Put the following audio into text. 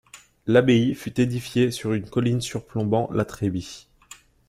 L'abbaye fut édifiée sur une colline surplombant la Trébie.